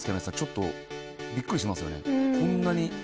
ちょっとビックリしますよね。